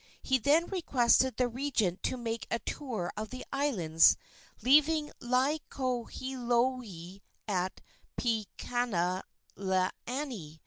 He then requested the regent to make a tour of the islands, leaving Laielohelohe at Pihanakalani.